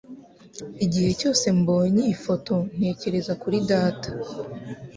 Igihe cyose mbonye iyi foto, ntekereza kuri data.